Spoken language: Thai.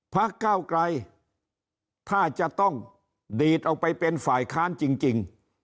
พักเก้าไกลถ้าจะต้องดีดออกไปเป็นฝ่ายค้านจริง